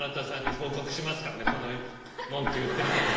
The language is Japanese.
この文句言ってるところ。